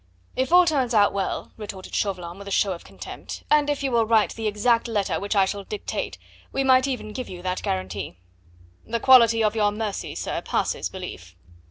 "If all turns out well," retorted Chauvelin with a show of contempt, "and if you will write the exact letter which I shall dictate, we might even give you that guarantee." "The quality of your mercy, sir, passes belief."